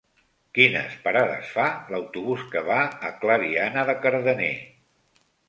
Quines parades fa l'autobús que va a Clariana de Cardener?